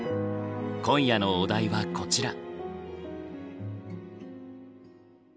今夜のお題はこちら。